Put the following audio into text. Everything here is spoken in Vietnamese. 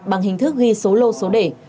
bằng hình thức ghi số lô số đề